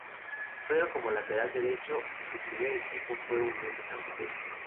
Juega como lateral derecho y su primer equipo fue Unión de Santa Fe.